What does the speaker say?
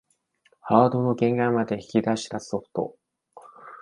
ハードの限界まで引き出したソフト